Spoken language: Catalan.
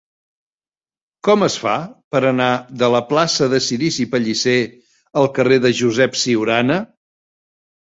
Com es fa per anar de la plaça de Cirici Pellicer al carrer de Josep Ciurana?